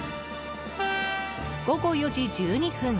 午後４時１２分